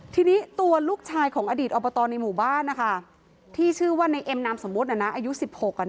ทีนี้ตัวลูกชายของอดีตอบตในหมู่บ้านที่ชื่อว่าในเอ็มนามสมมุติอายุ๑๖